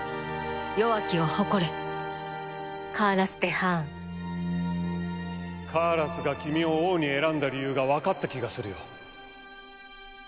弱きを誇れ」「カーラス・デハーン」カーラスが君を王に選んだ理由がわかった気がするよ。